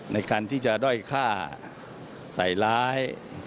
ในการที่จะด้อยฆ่าใส่ร้าย